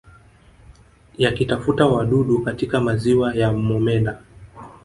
Yakitafuta wadudu katika maziwa ya Momella